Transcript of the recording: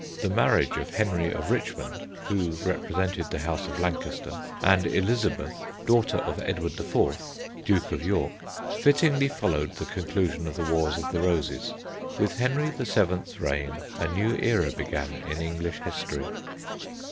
The marriage of Henry of Richmond, who represented the House of Lancaster, and Elizabeth, daughter of Edward IV. Duke of York, fittingly followed the conclusion of the Wars of the Roses. With Henry VII.'s reign a new era began in English history.